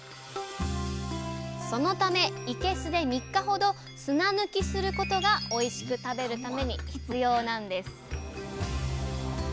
そのためいけすで３日ほど砂抜きすることがおいしく食べるために必要なんです！